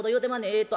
えっと。